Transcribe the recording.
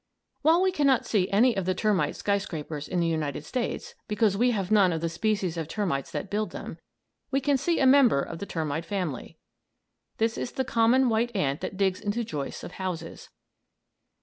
While we cannot see any of the termite skyscrapers in the United States, because we have none of the species of termites that build them, we can see a member of the termite family. This is the common white ant that digs into joists of houses.